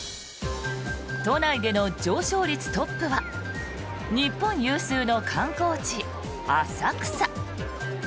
都内での上昇率トップは日本有数の観光地、浅草。